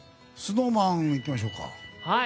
ＳｎｏｗＭａｎいきましょうか。